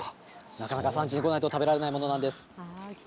なかなか産地に来ないと食べられないものなんです。